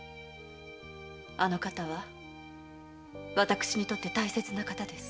あの方は私にとって大切な方です。